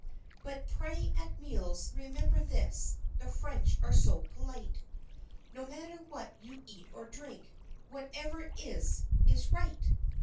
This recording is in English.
But pray at meals, remember this, the French are so polite, No matter what you eat or drink, "whatever is, is right!"